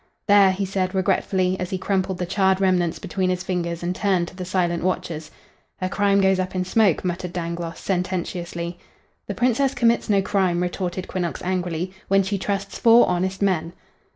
"There!" he said, regretfully, as he crumpled the charred remnants between his fingers and turned to the silent watchers. "Her crime goes up in smoke," muttered Dangloss, sententiously. "The Princess commits no crime," retorted Quinnox, angrily, "when she trusts four honest men."